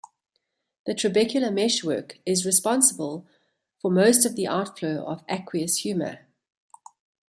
The trabecular meshwork is responsible for most of the outflow of aqueous humor.